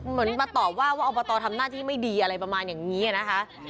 เหมือนมาตอบว่าว่าอบตทำหน้าที่ไม่ดีอะไรประมาณอย่างนี้นะคะ